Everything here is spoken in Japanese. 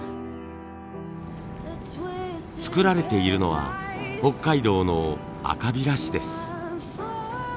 作られているのは北海道の赤平市です。